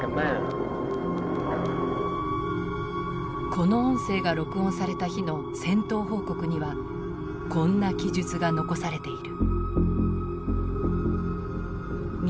この音声が録音された日の戦闘報告にはこんな記述が残されている。